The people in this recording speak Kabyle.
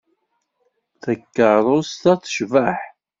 Takeṛṛust-a tecbeḥ.